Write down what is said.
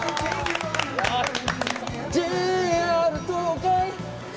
「ＪＲ東海」